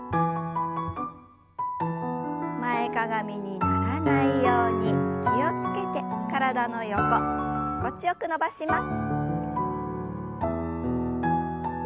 前かがみにならないように気を付けて体の横心地よく伸ばします。